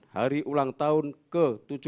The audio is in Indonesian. hari ulang tahun ke tujuh puluh tujuh